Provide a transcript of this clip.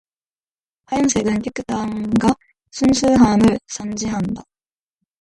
하얀색은 깨끗함과 순수함을 상징한다.